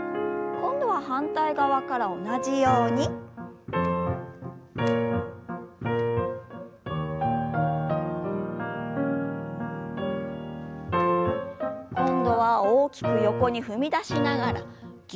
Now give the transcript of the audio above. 今度は大きく横に踏み出しながらぎゅっと。